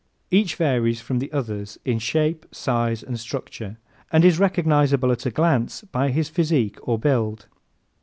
Each varies from the others in shape, size and structure and is recognizable at a glance by his physique or build.